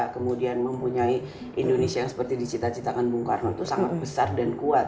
kemudian mempunyai indonesia yang seperti dicita citakan bung karno itu sangat besar dan kuat